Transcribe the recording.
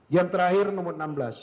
yang terakhir nomor enam belas